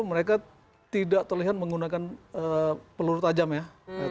mereka tidak terlihat menggunakan peluru tajam ya